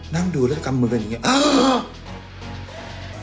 นั่งดูแล้วก็กำมือกันอย่างนี้